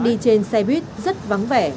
đi trên xe buýt rất vắng vẻ